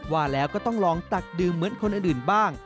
ว่าแล้วก็ต้องลองตักดื่มเหมือนคนอื่นบ้าง